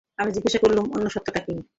আমি জিজ্ঞাসা করলুম, অন্য সত্যটা কী?